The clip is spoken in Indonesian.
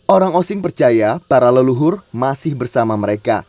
orang osing percaya para leluhur masih bersama mereka